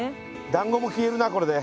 だんごも消えるなこれで。